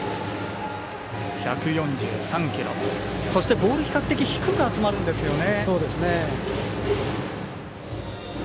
ボール、比較的低く集まるんですよね。